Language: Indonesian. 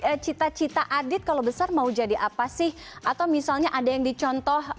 ke adit mama m cita cita adit kalau besar mau jadi apa sih atau misalnya ada yang dicontoh